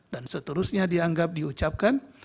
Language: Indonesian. dan seterusnya dianggap diucapkan